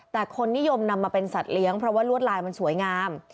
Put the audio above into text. แต่คนนิยมนำมาเป็นสัตว์เลี้ยงเพราะว่าลวดลายมันสวยงาม